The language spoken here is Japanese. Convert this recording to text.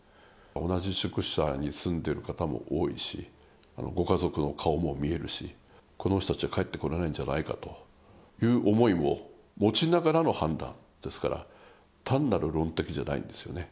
同じ宿舎に住んでる方も多いし、ご家族の顔も見えるし、この人たちは帰ってこれないんじゃないかという思いも持ちながらの判断ですから、単なる論敵じゃないんですよね。